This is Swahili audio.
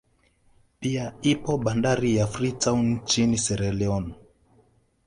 Pia ipo bandari ya Free town nchini Siera Lione